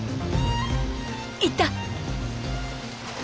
行った！